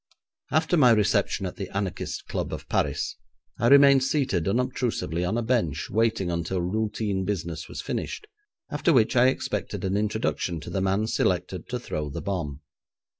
After my reception at the anarchists' club of Paris, I remained seated unobtrusively on a bench waiting until routine business was finished, after which I expected an introduction to the man selected to throw the bomb.